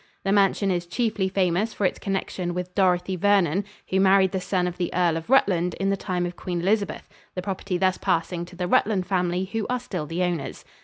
The mansion is chiefly famous for its connection with Dorothy Vernon, who married the son of the Earl of Rutland in the time of Queen Elizabeth, the property thus passing to the Rutland family, who are still the owners.